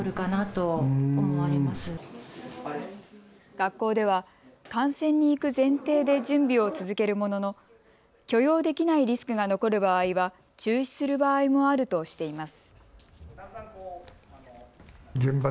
学校では観戦に行く前提で準備を続けるものの許容できないリスクが残る場合は中止する場合もあるとしています。